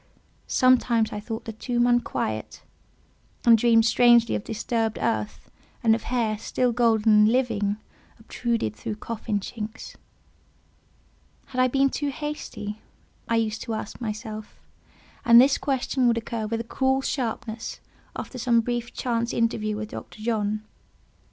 Sometimes I thought the tomb unquiet, and dreamed strangely of disturbed earth, and of hair, still golden, and living, obtruded through coffin chinks. Had I been too hasty? I used to ask myself; and this question would occur with a cruel sharpness after some brief chance interview with Dr. John.